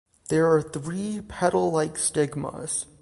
There are three petal like stigmas.